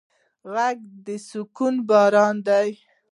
غږ د سکون باران دی